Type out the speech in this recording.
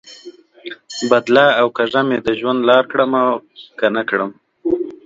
بدله او کږه مې د ژوند لار کړمه، که نه کړم؟